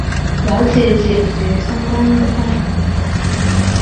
了解解决相关的方法